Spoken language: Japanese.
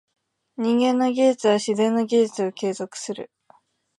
人間の技術は自然の技術を継続する。